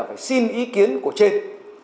phải xin ý kiến của trên